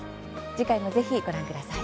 次回もぜひ、ご覧ください。